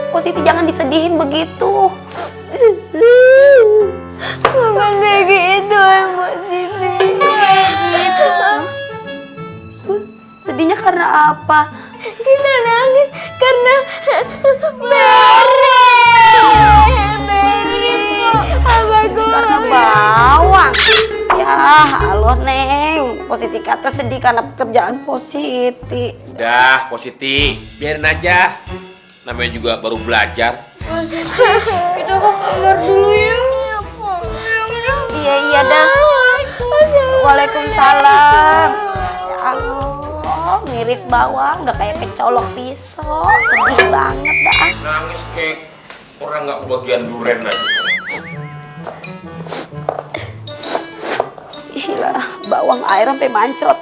pisau sedih banget nangis kek orang enggak bagian durian gila bawang air sampai mancot